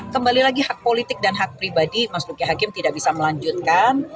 kembali lagi hak politik dan hak pribadi mas luki hakim tidak bisa melanjutkan